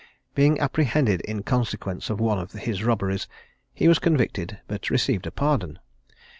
Being apprehended in consequence of one of his robberies, he was convicted, but received a pardon.